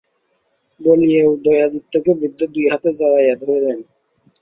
বলিয়া উদয়াদিত্যকে বৃদ্ধ দুই হাতে জড়াইয়া ধরিলেন।